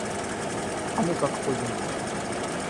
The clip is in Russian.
А мы как ходим?